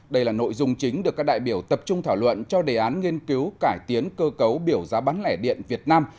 đây là nội dung chính được các đại biểu tập trung thảo luận cho đề án nghiên cứu cải tiến cơ cấu biểu giá bán lẻ điện việt nam